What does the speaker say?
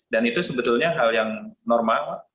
dan itu sebetulnya hal yang normal